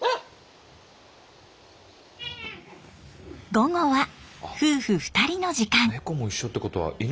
午後は夫婦２人の時間。